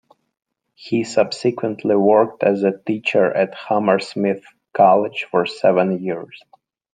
He subsequently worked as a teacher at Hammersmith College for seven years.